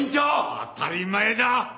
当たり前だ！